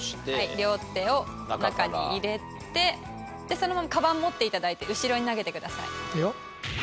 両手を中に入れてそのままかばん持って頂いて後ろに投げてください。